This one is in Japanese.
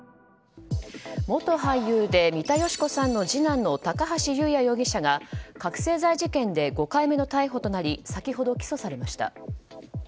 元俳優で三田佳子さんの次男の高橋祐也容疑者が覚醒剤事件で５回目の逮捕となり先ほど起訴されました。